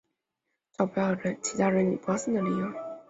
找不到其他惹你不高兴的理由